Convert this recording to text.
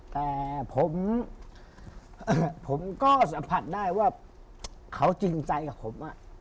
แต่ผมก็สัมผัสได้ว่าเขาจริงใจกับผม